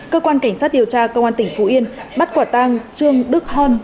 cơ quan cảnh sát điều tra công an tỉnh phú yên bắt quả tang trương đức hơn